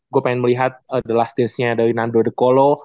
gue pengen melihat the last dance nya dari nando de colo